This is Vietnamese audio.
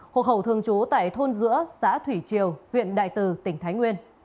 hộ khẩu thường trú tại thôn giữa xã thủy triều huyện đại từ tỉnh thái nguyên